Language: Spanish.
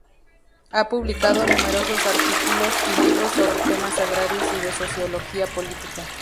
Ha publicado numerosos artículos y libros sobre temas agrarios y de sociología política.